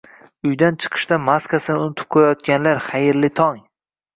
Uydan chiqishda maskasini unutib qo'yayotganlar, xayrli tong!